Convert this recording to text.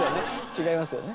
違いますよね。